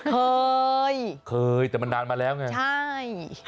เคยเคยแต่มันนานมาแล้วไงใช่